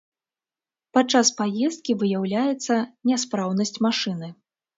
Падчас паездкі выяўляецца няспраўнасць машыны.